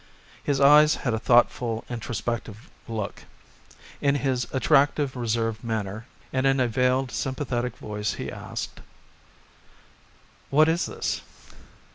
His eyes had a thoughtful introspective look. In his attractive reserved manner, and in a veiled sympathetic voice he asked: "What is this?"